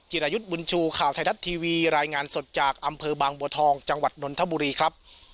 รายุทธ์บุญชูข่าวไทยรัฐทีวีรายงานสดจากอำเภอบางบัวทองจังหวัดนนทบุรีครับ